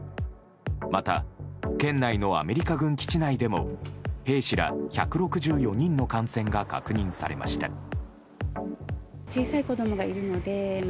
また県内のアメリカ軍基地内でも兵士ら１６４人の感染が確認されました。